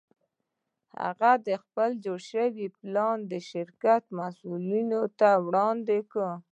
هغه خپل جوړ شوی پلان د شرکت مسوولینو ته وړاندې کړ